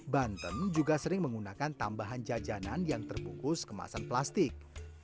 banten juga sering menggunakan tambahan jajanan yang terbungkus kemasan plastik